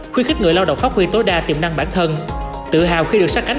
khuyến khích người lao động phát huy tối đa tiềm năng bản thân tự hào khi được sát cánh